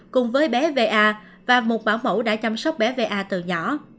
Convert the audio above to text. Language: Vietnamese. cùng với bé v a và một bảo mẫu đã chăm sóc bé v a từ nhỏ